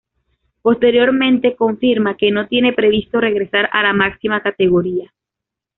Posteriormente confirma que no tiene previsto regresar a la máxima categoría.